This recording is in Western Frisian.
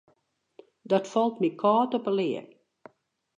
Dat falt my kâld op 'e lea.